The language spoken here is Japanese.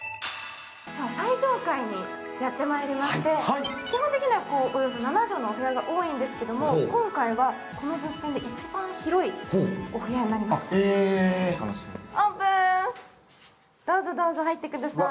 最上階にやってまいりまして、基本的には７畳のお部屋が多いんですけど今回はこの物件で一番広いお部屋になります、オープン、どうぞどうぞ、入ってください。